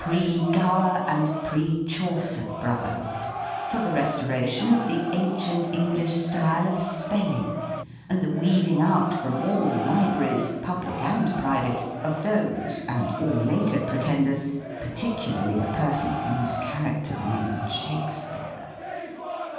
P. C. B., or Pre Gower and Pre Chaucer Brotherhood, for the restoration of the ancient English style of spelling, and the weeding out from all libraries, public and private, of those and all later pretenders, par ticularly a person of loose character named SHAKESPEARE.